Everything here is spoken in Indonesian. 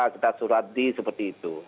kita surati seperti itu